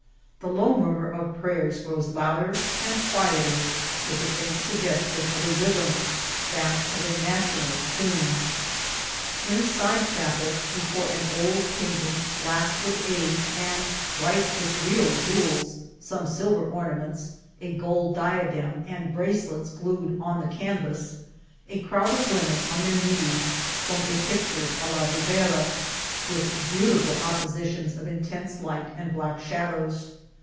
The low murmur of prayers grows louder and quieter with the faint suggestion of a rhythm, that of a national tune. In a side chapel, before an old painting black with age and bright with real jewels, some silver ornaments, a gold diadem and bracelets glued on the canvas, a crowd of women on their knees form a picture a la Ribera, with beautiful oppositions of intense light and black shadows.